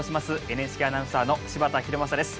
ＮＨＫアナウンサーの柴田拡正です。